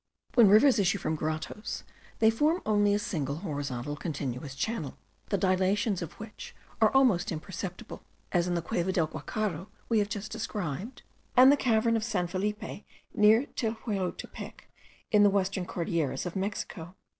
When rivers issue from grottoes, they form only a single, horizontal, continuous channel, the dilatations of which are almost imperceptible; as in the Cueva del Guacharo we have just described, and the cavern of San Felipe, near Tehuilotepec in the western Cordilleras of Mexico.